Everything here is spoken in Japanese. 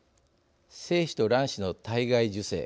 精子と卵子の体外受精。